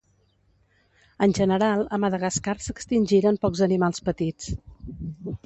En general, a Madagascar s'extingiren pocs animals petits.